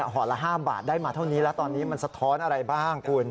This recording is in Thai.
ห่อละ๕บาทได้มาเท่านี้แล้วตอนนี้มันสะท้อนอะไรบ้างคุณ